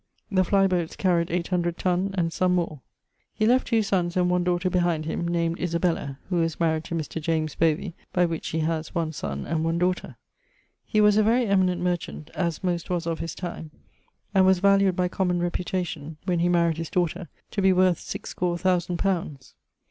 The fly boates caryed 800 tunne, and some more. He left two sonnes and daughter behind him, named Isabella (who was maried to Mr. James Bovey, by which he haz one sonne and one daughter). He was a very eminent merchant, as most was of his time; and was valued by common reputation (when he maried his daughter) to be worth sixscore thousand pounds.